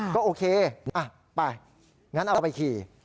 ก็โอเคไปงั้นเอาไปขี่